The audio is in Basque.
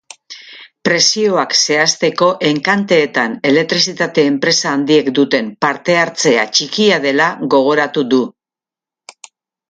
Prezioak zehazteko enkanteetan elektrizitate enpresa handiek duten parte hartzea txikia dela gogoratu du.